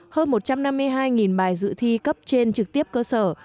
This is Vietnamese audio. hơn một trăm năm mươi hai bài dự thi cấp trên trực tiếp cơ sở